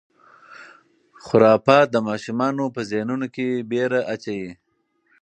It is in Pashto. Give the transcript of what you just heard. خرافات د ماشومانو په ذهنونو کې وېره اچوي.